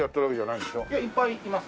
いやいっぱいいます。